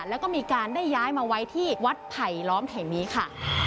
แล้วก็มีการได้ย้ายมาไว้ที่วัดไผลล้อมแห่งนี้ค่ะ